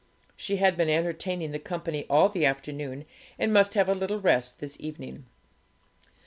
She had been entertaining the company all the afternoon, and must have a little rest this evening.